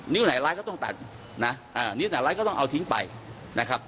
ไหนร้ายก็ต้องตัดนะนิ้วตัดไร้ก็ต้องเอาทิ้งไปนะครับ